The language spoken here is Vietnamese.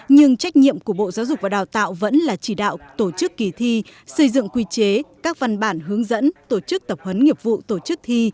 nhưng trách nhiệm của bộ giáo dục và đào tạo vẫn là chỉ đạo tổ chức kỳ thi xây dựng quy chế các văn bản hướng dẫn tổ chức tập huấn nghiệp vụ tổ chức thi